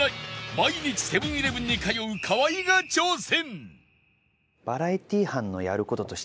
毎日セブン−イレブンに通う河合が挑戦